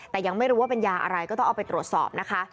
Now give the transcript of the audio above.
แต่ยังไม่รู้ว่าเป็นยาอะไรก็ต้องเอาไปตรวจสอบนะคะ